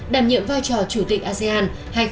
đảm nhiệm vai trò chủ tịch asean hai nghìn hai mươi